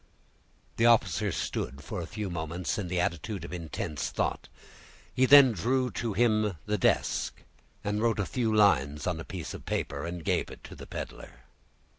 The officer stood for a few moments in the attitude of intense thought. He then drew to him the desk, and wrote a few lines on a piece of paper, and gave it to the peddler.